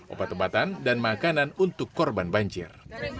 obat obatan dan makanan untuk korban banjir